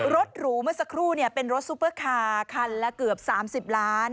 หรูเมื่อสักครู่เป็นรถซุปเปอร์คาร์คันละเกือบ๓๐ล้าน